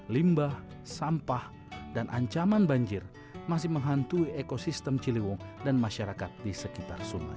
limbah sampah dan ancaman banjir masih menghantui ekosistem ciliwung dan masyarakat di sekitar sungai